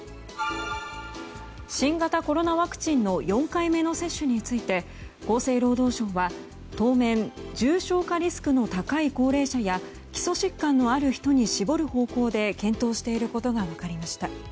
新型コロナワクチンの４回目の接種について厚生労働省は当面重症化リスクの高い高齢者や基礎疾患のある人に絞る方向で検討していることが分かりました。